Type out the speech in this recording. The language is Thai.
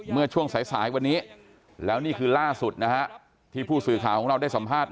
เมื่อช่วงสายสายวันนี้แล้วนี่คือล่าสุดนะฮะที่ผู้สื่อข่าวของเราได้สัมภาษณ